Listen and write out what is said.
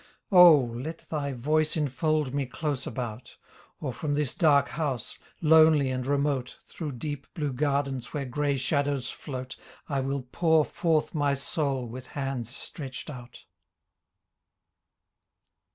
O ! Let thy voice enfold me close about. Or from this dark house, lonely and remote. Through deep blue gardens where gray shadows float I will pour forth my soul with hands stretched out